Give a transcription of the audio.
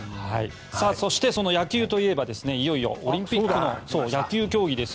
そしてその野球といえばいよいよオリンピックの野球競技ですよ。